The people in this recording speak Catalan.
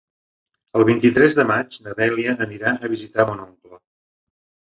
El vint-i-tres de maig na Dèlia anirà a visitar mon oncle.